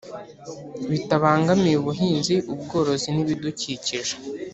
Bitabangamiye ubuhinzi ubworozi n ibidukikije